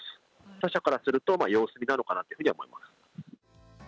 他社からすると、様子見なのかなというふうには思います。